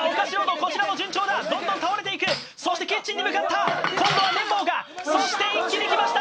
こちらも順調だどんどん倒れていくそしてキッチンに向かった今度は麺棒がそして一気にきました